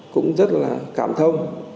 cũng rất là cảm thông